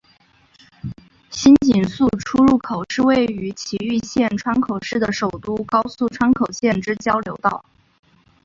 新井宿出入口是位于崎玉县川口市的首都高速川口线之交流道。